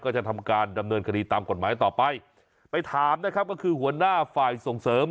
จะทำการดำเนินคดีตามกฎหมายต่อไปไปถามนะครับก็คือหัวหน้าฝ่ายส่งเสริม